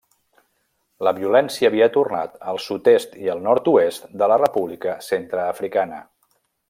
La violència havia tornat al sud-est i al nord-oest de la República Centreafricana.